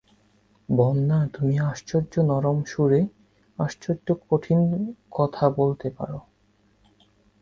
বন্যা, তুমি আশ্চর্য নরম সুরে আশ্চর্য কঠিন কথা বলতে পার।